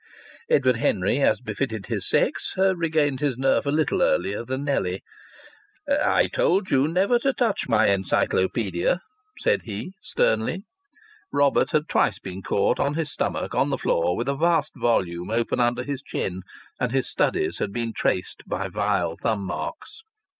Edward Henry, as befitted his sex, regained his nerve a little earlier than Nellie. "I told you never to touch my Encyclopaedia," said he, sternly. Robert had twice been caught on his stomach on the floor with a vast volume open under his chin, and his studies had been traced by vile thumb marks.